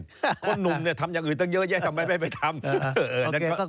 มีคนแก่เล่นคนหนุ่มเนี่ยทำอย่างอื่นตั้งเยอะแยะทำไมไม่ไปทำ